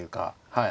はい。